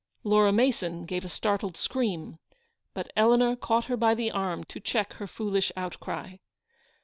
Laura Mason gave a startled scream; but Eleanor caught her by the arm, to check her foolish outcry.